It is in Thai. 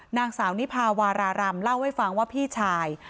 นางสาวนิพาวารารำเล่าให้ฟังว่าพี่ชาย